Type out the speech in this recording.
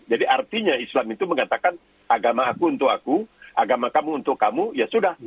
jadi artinya islam itu mengatakan agama aku untuk aku agama kamu untuk kamu ya sudah